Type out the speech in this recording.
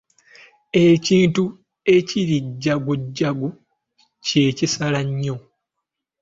Ekintu ekiri gajugaju ky'ekisala nnyo.